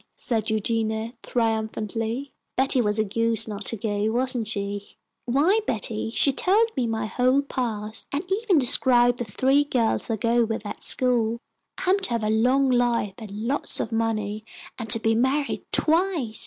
said Eugenia, triumphantly. "Betty was a goose not to go, wasn't she? Why, Betty, she told me my whole past, and even described the three girls I go with at school. I am to have a long life and lots of money, and to be married twice.